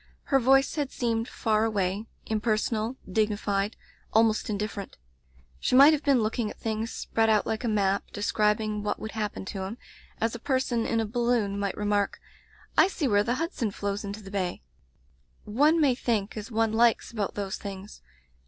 Her voice had seemed far away, impersonal, dignified, almost indifferent. She might have been looking at things spread out like a map, describing what would hap pen to him, as a person in a balloon might remark, 'I see where the Hudson flows into the bay/ ''One may think as one likes about those things.